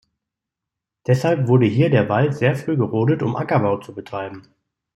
Deshalb wurde hier der Wald sehr früh gerodet, um Ackerbau zu betreiben.